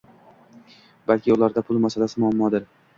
Balki ularda pul masalasi muammodir.